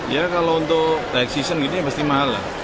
ya kalau untuk reaksesion gitu ya pasti mahal lah